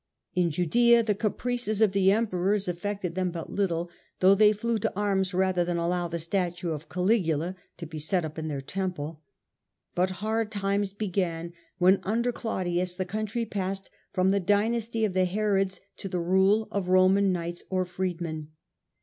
In Judaea the caprices of the Emperors affected them but little, though they flew to arms rather than allow the statue of Caligula to be set up in theii Temple. But hard times began when, under Claudius, the country passed from the dynasty of the Herods to the rule of Roman knights or freedmen.